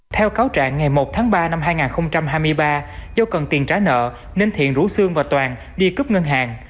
theo cáo trạng ngày một tháng ba năm hai nghìn hai mươi ba do cần tiền trả nợ nên thiện rủ sương và toàn đi cướp ngân hàng